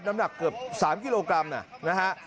น้ำหนักเกือบ๓กิโลกรัมนะฮะ